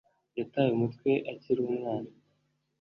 Yataye umutwe akiri umwana